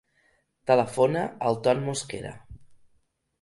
Telefona al Ton Mosquera.